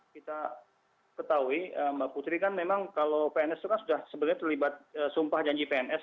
kita ketahui mbak putri kan memang kalau pns itu kan sudah sebenarnya terlibat sumpah janji pns